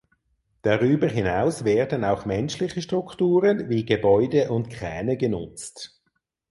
Darüber hinaus werden auch menschliche Strukturen wie Gebäude und Kräne genutzt.